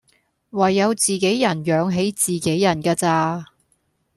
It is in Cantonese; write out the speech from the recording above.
唯有自己人養起自己人架咋